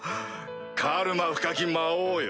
カルマ深き魔王よ